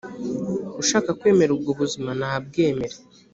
ushaka kwemera ubwo buzima nabwemere